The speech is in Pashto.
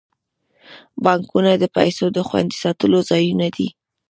بانکونه د پیسو د خوندي ساتلو ځایونه دي.